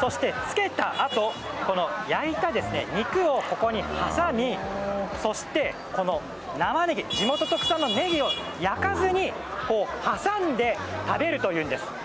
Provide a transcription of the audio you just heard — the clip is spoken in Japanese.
そして、つけたあと焼いた肉をここに挟みそして、地元特産のネギを焼かずに挟んで食べるというんです。